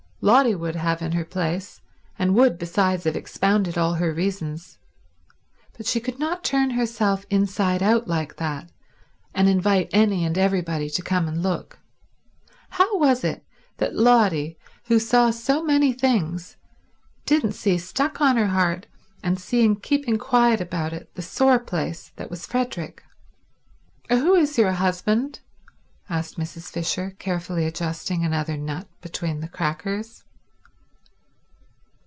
Lotty would have in her place, and would, besides, have expounded all her reasons. But she could not turn herself inside out like that and invite any and everybody to come and look. How was it that Lotty, who saw so many things, didn't see stuck on her heart, and seeing keep quiet about it, the sore place that was Frederick? "Who is your husband?" asked Mrs. Fisher, carefully adjusting another nut between the crackers.